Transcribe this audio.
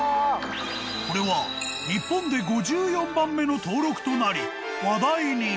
［これは日本で５４番目の登録となり話題に］